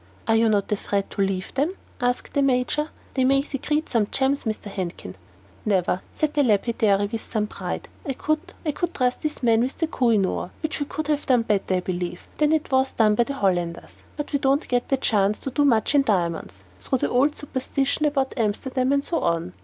"Are you not afraid to leave them?" asked the Major. "They may secrete some gems, Mr. Handkin." "Never," said the lapidary, with some pride. "I could trust these men with the Koh i noor; which we could have done better, I believe, than it was done by the Hollanders. But we don't get the chance to do much in diamonds, through the old superstition about Amsterdam, and so on.